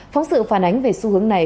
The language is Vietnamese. phóng sự phản ánh về xu hướng này